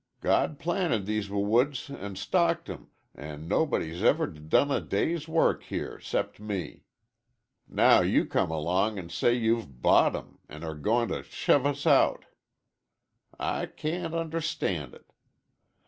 God planted these w woods an' stocked 'em, an' nobody's ever d done a day's work here 'cept me. Now you come along an' say you've bought 'em an' are g goin 't' shove us out. I c can't understand it.